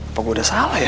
apa gue udah salah ya